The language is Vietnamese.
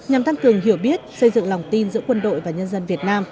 nhằm tăng cường hiểu biết xây dựng lòng tin giữa quân đội và nhân dân việt nam